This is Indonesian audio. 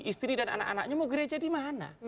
istri dan anak anaknya mau gereja di mana